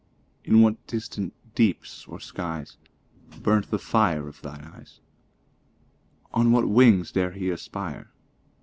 In what distant deeps or skies Burnt the fire of thine eyes? On what wings dare he aspire?